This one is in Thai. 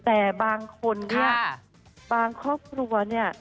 แต่บางคนเนี่ยบางครอบครัวเนี่ย